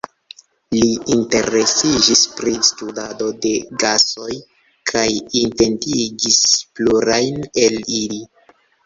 Li interesiĝis pri studado de gasoj kaj identigis plurajn el ili.